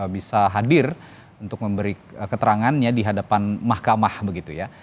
bisa hadir untuk memberi keterangannya di hadapan mahkamah begitu ya